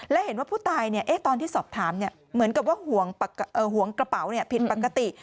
และเห็นว่าผู้ตายตอนที่สอบถามเหมือนกับว่าห่วงกระเป๋าผิดปกติ